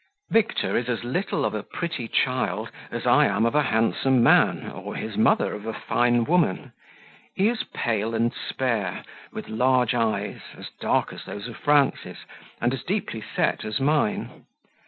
Victor is as little of a pretty child as I am of a handsome man, or his mother of a fine woman; he is pale and spare, with large eyes, as dark as those of Frances, and as deeply set as mine.